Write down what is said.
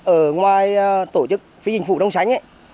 ở ngoài tổ chức phí hình phụ đông xanh ấy